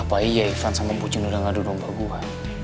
apa iya ivan sama bocin udah ngadu domba gue